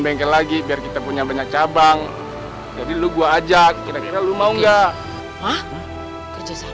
bengkel lagi biar kita punya banyak cabang jadi lu gua ajak kira kira lu mau nggak